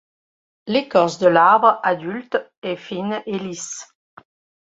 L'écorce de l'arbre adulte est fine et lisse.